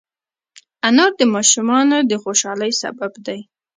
انار د ماشومانو د خوشحالۍ سبب دی.